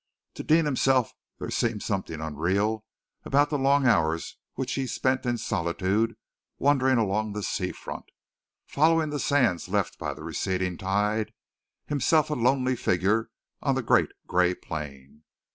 To Deane himself there seemed something unreal about the long hours which he spent in solitude, wandering along the sea front, following the sands left by the receding tide himself a lonely figure on the great gray plain.